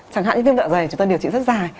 chẳng hạn như viêm dạ dày chúng ta điều trị rất dài